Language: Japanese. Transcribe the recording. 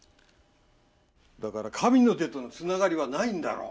だから神の手とのつながりはないんだろう。